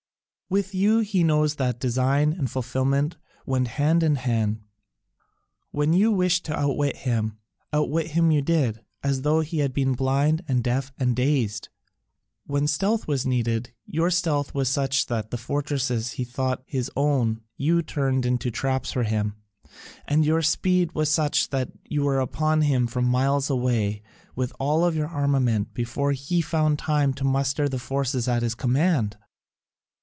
With you he knows that design and fulfilment went hand in hand; when you wished to outwit him, outwit him you did, as though he had been blind and deaf and dazed; when stealth was needed, your stealth was such that the fortresses he thought his own you turned into traps for him; and your speed was such that you were upon him from miles away with all your armament before he found time to muster the forces at his command."